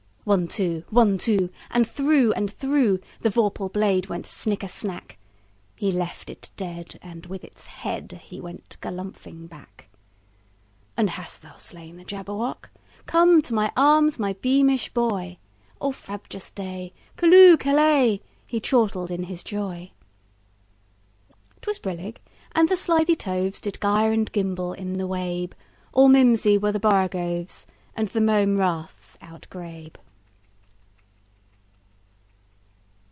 One, two! One, two! And through and throughThe vorpal blade went snicker snack! He left it dead, and with its headHe went galumphing back."And hast thou slain the Jabberwock? Come to my arms, my beamish boy!O frabjous day! Callooh! Callay!"He chortled in his joy.'T was brillig, and the slithy tovesDid gyre and gimble in the wabe; All mimsy were the borogoves, And the mome raths outgrabe.